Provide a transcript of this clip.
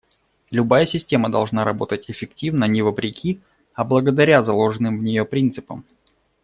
Любая система должна работать эффективно не вопреки, а благодаря заложенным в нее принципам.